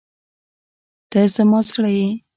ته زما زړه یې.